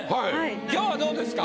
今日はどうですか？